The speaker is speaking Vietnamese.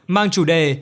mang chủ đề